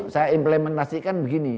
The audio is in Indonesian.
saya implementasikan begini